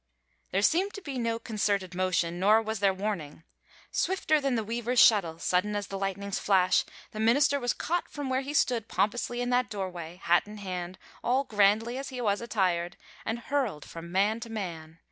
There seemed to be no concerted motion, nor was there warning. Swifter than the weaver's shuttle, sudden as the lightning's flash, the minister was caught from where he stood pompously in that doorway, hat in hand, all grandly as he was attired, and hurled from man to man.